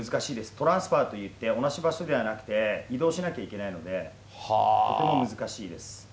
トランスファーといって、同じ場所ではなくて、移動しなきゃいけないので、とても難しいです。